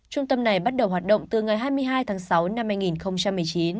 trung tâm này bắt đầu hoạt động từ ngày hai mươi hai tháng sáu năm hai nghìn một mươi chín